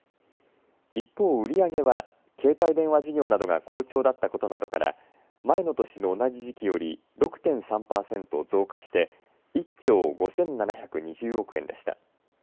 一方、売り上げは携帯電話事業などが好調だったことなどから前の年の同じ時期より６．３％増加して１兆５７２０億円でした。